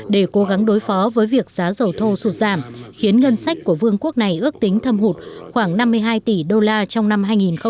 để cố gắng đối phó với việc giá dầu thô sụt giảm khiến ngân sách của vương quốc này ước tính thâm hụt khoảng năm mươi hai tỷ đô la trong năm hai nghìn hai mươi